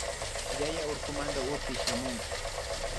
Yayaka urkumanta ushupi shamun